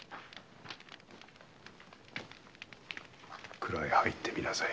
蔵へ入ってみなさい。